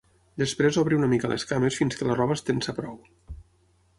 Després obre una mica les cames fins que la roba es tensa prou.